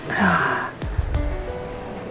ada apa ini